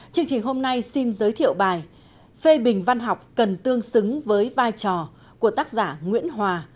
chương trình hôm nay xin giới thiệu bài phê bình văn học cần tương xứng với vai trò của tác giả nguyễn hòa